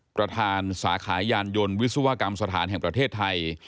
ประธานสาขายานยนต์วิศวกรรมสถานแห่งประเทศไทย